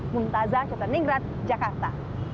muntaza chetaningrat jakarta